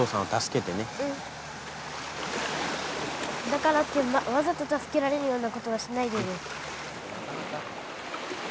だからって、わざと助けられるようなことはしないでね。